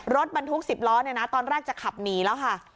รถบรรทุก๑๐ล้อเนี่ยนะตอนแรกจะขับหนีแล้วค่ะ